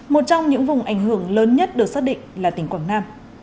một trong những vùng ảnh hưởng lớn nhất được xác định là tỉnh quảng nam